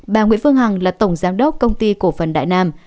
bà nguyễn phương hằng là tổng giám đốc công ty cổ phần đại nam